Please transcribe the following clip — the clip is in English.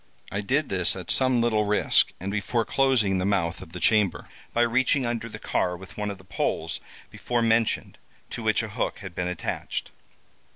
I did this at some little risk, and before closing the mouth of the chamber, by reaching under the car with one of the poles before mentioned to which a hook had been attached.